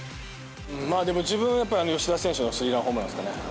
でも自分はやっぱり吉田選手のスリーランホームランですかね。